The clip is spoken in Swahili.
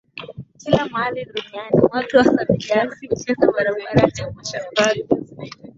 Kila mahali dunaini watu hasa vijana hucheza barabarani au shambani